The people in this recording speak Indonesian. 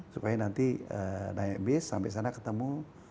supaya nanti naik bis sampai sana ketemu